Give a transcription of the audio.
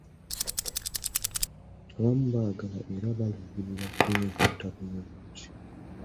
Abamu baagala era baluubirira kutunyunyunta bunyunyusi.